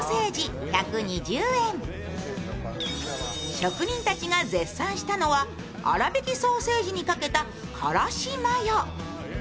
職人たちが絶賛したのはあらびきソーセージにかけたからしマヨ。